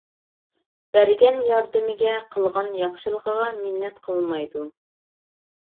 بەرگەن ياردىمىگە، قىلغان ياخشىلىقىغا مىننەت قىلمايدۇ.